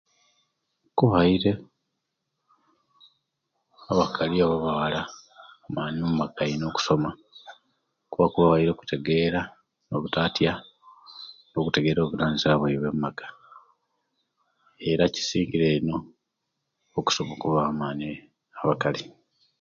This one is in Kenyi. Kubawaire abakali oba bawala amani omaka ino nokusoma kuba kubawaire okutegera obutatya nokutegera obuvunayizibwa baibwe omaka era kisingire ino okubawa amani abakali